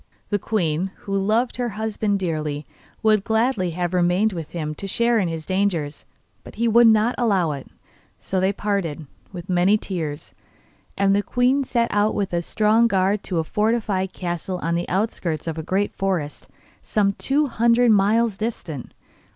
The queen, who loved her husband dearly, would gladly have remained with him to share his dangers, but he would not allow it. So they parted, with many tears, and the queen set out with a strong guard to a fortified castle on the outskirts of a great forest, some two hundred miles distant.